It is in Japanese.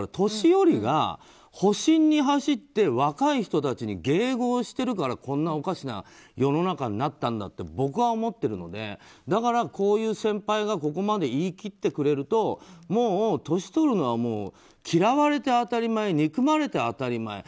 年寄りが保身に走って若い人たちに迎合しているからこんなおかしな世の中になったんだって僕は思っているのでだから、こういう先輩がここまで言い切ってくれるともう、年を取るのは嫌われて当たり前憎まれて当たり前。